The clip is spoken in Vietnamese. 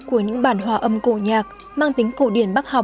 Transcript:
của những bản hòa âm cổ nhạc mang tính cổ điển bắc học